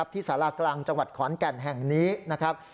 ที่สารากลางจังหวัดขอนแก่นแห่งนี้นะครับ